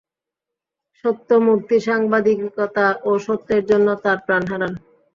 সত্যমূর্তি সাংবাদিকতা ও সত্যের জন্য তার প্রাণ হারান।